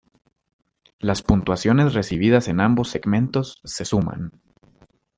Las puntuaciones recibidas en ambos segmentos se suman.